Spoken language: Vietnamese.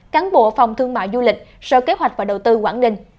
cán bộ phòng thương mại du lịch sở kế hoạch và đầu tư quảng ninh